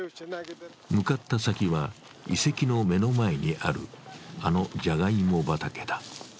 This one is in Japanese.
向かった先は遺跡の目の前にある、あのじゃがいも畑だ。